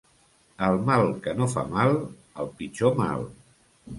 El mal que no fa mal, el pitjor mal.